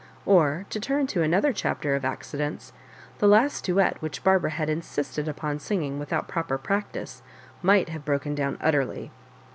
Or, to turn to another chapter of accidents, the last duet which Barbara had insisted upon singing without pro per practice, might have broken down utterly.